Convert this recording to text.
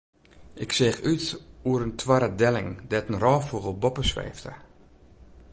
Ik seach út oer in toarre delling dêr't in rôffûgel boppe sweefde.